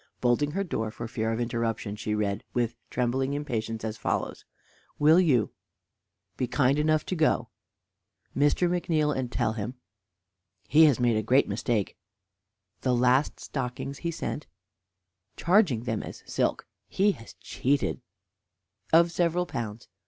Bolting her door for fear of interruption, she read, with trembling impatience, as follows: Will you be kind enough to go to Mr. McNeal, and tell him he has made a great mistake the last stockings he sent; charging them as silk) he has cheated of several pounds.